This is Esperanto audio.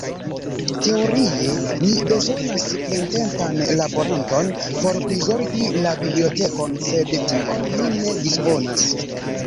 Teorie ni bezonas plentempan laboranton por prizorgi la bibliotekon, sed tion ni ne disponas.